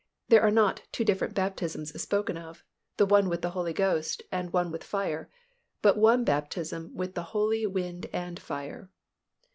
There are not two different baptisms spoken of, the one with the Holy Ghost and one with fire, but one baptism with the Holy Wind and Fire.